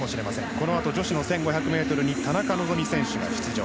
このあと女子の１５００ｍに田中希実選手が出場。